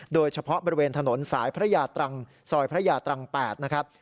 โดยเฉพาะบริเวณถนนสอยพระยาตรัง๘นะครับ